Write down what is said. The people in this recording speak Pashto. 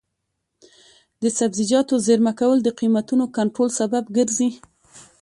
د سبزیجاتو زېرمه کول د قیمتونو کنټرول سبب ګرځي.